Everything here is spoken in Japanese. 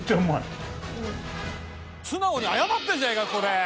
素直に謝ってるじゃねえかここで！